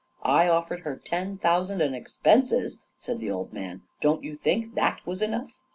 " I offered her ten thousand and expenses," said the old man. " Don't you think that was enough?